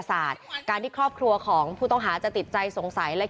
ไปใกล้บางวันหรือเหรอ